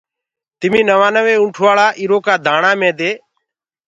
تميٚ نوآنوي اُنٚٺوآݪا ايٚرو ڪآ دآڻآ مي دي